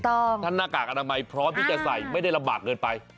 ท่านหน้ากากอนามัยพร้อมที่จะใส่ไม่ได้ลำบากเกินไป